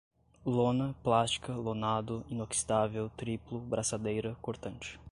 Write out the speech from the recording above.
lona, plástica, lonado, inoxidável, triplo, braçadeira, cortante